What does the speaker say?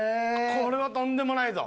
これはとんでもないぞ。